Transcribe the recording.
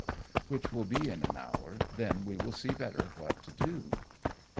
up, which will be in an hour, then we will see better what to do."